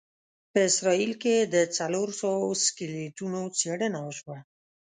په اسرایل کې د څلوروسوو سکلیټونو څېړنه وشوه.